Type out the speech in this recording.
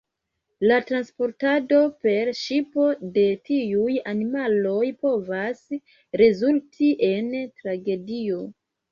La transportado per ŝipo de tiuj animaloj povas rezulti en tragedio.